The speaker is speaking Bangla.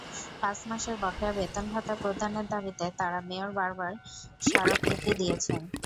পাঁচ মাসের বকেয়া বেতন-ভাতা প্রদানের দাবিতে তাঁরা মেয়র বরাবর স্মারকলিপি দিয়েছেন।